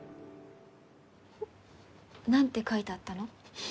何て書いてあったの？